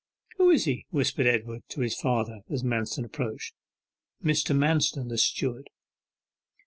'Who is he?' whispered Edward to his father, as Manston approached. 'Mr. Manston, the steward.